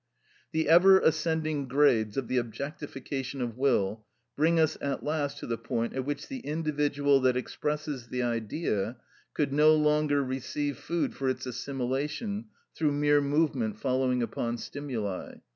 The ever ascending grades of the objectification of will bring us at last to the point at which the individual that expresses the Idea could no longer receive food for its assimilation through mere movement following upon stimuli.